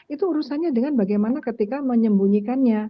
itu urusannya dengan bagaimana ketika menyembunyikannya